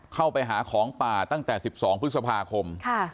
เข้าไปหาของป่าตั้งแต่๑๒พฤษภาคม